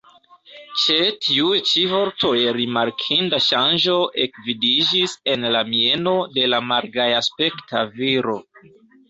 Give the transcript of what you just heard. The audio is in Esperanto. Ĉe tiuj ĉi vortoj rimarkinda ŝanĝo ekvidiĝis en la mieno de la malgajaspekta viro.